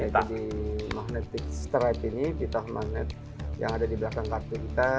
di magnetic stripe ini di taut magnet yang ada di belakang kartu kita